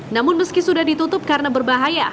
namun meski sudah ditutup karena berbahaya